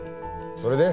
それで？